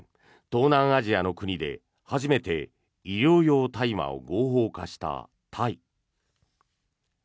東南アジアの国で初めて医療用大麻を合法化したタイ。